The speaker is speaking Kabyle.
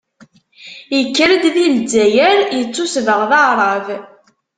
Ikker-d di lezzayer, ittusbeɣ d aɛṛab.